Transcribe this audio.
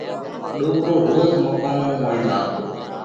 ڏوڪرو روز مقومون موئين زاتو